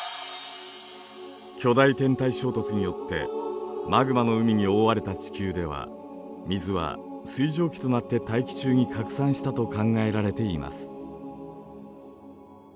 巨大天体衝突によってマグマの海におおわれた地球では水は水蒸気となって大気中に拡散したと考えられています。